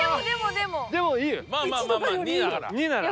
でもいいよ。